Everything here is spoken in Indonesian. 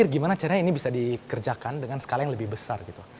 gimana caranya ini bisa dikerjakan dengan skala yang lebih besar gitu